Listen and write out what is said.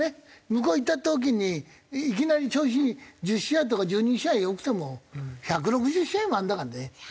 向こう行った時にいきなり調子１０試合とか１２試合良くても１６０試合もあるんだからね。